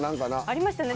ありましたね。